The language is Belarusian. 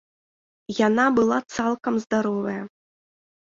Яна была цалкам здаровая.